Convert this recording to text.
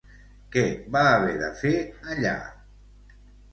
Què va haver de fer allà?